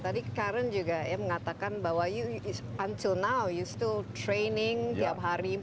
tadi karen juga mengatakan bahwa until now you still training tiap hari